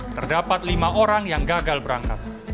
kloter dua terdapat lima orang yang gagal berangkat